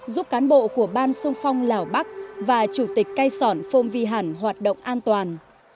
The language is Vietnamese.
giúp cán bộ của ban xung phong lào bắc và chủ tịch cái sỏn phương vĩ hẳn hoạt động an toàn